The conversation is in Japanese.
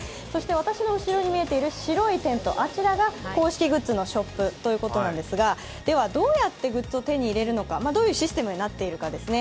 私の後ろに見えている白いテント、あちらが公式グッズのショップということなんですがでは、どうやってグッズを手に入れるのか、どういうシステムになっているかですね。